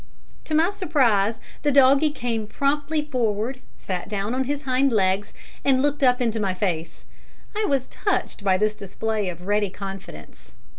To my surprise, the doggie came promptly forward, sat down on his hind legs, and looked up into my face. I was touched by this display of ready confidence.